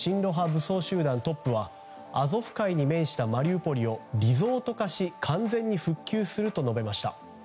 武装集団トップはアゾフ海に面したマリウポリをリゾート化し完全に復旧すると述べました。